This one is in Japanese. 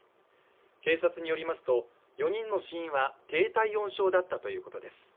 警察によりますと、４人の死因は低体温症だったということです。